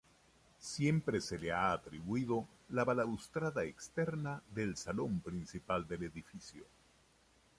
Siempre se le atribuido la balaustrada externa del salón principal del edificio.